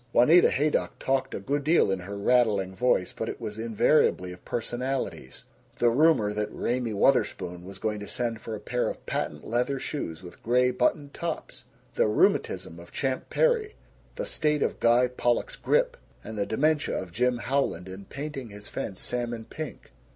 Juanita Haydock talked a good deal in her rattling voice but it was invariably of personalities: the rumor that Raymie Wutherspoon was going to send for a pair of patent leather shoes with gray buttoned tops; the rheumatism of Champ Perry; the state of Guy Pollock's grippe; and the dementia of Jim Howland in painting his fence salmon pink.